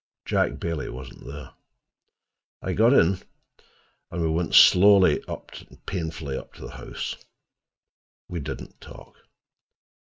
Jack Bailey was not there. I got in, and we went slowly and painfully up to the house. We did not talk.